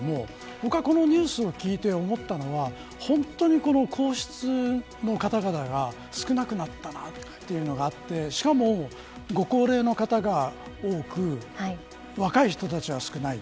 僕は、このニュースを聞いて思ったのは本当に皇室の方々が少なくなったなというのがあってしかも、ご高齢の方が多く若い人たちは少ない。